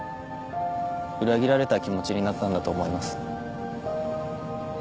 裏切られた気持ちになったんだと思います。